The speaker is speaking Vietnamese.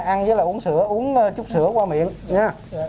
ăn với là uống sữa uống chút sữa qua miệng nhé